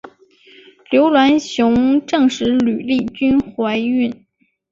刘銮雄证实吕丽君怀孕。